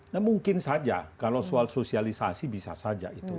nah mungkin saja kalau soal sosialisasi bisa saja itu